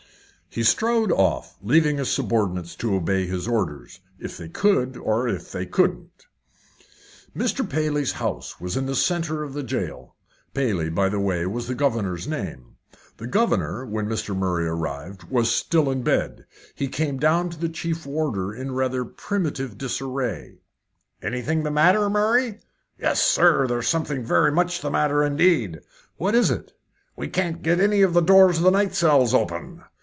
He strode off, leaving his subordinates to obey his orders if they could, or if they couldn't. Mr. Paley's house was in the centre of the jail. Paley, by the way, was the governor's name. The governor, when Mr. Murray arrived, was still in bed. He came down to the chief warder in rather primitive disarray. "Anything the matter, Murray?" "Yes, sir; there's something very much the matter, indeed." "What is it?" "We can't get any of the doors of the night cells open."